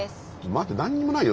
待って何にもないよ